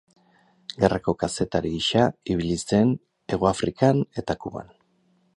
Gerrako kazetari gisa ibili zen Hegoafrikan eta Kuban.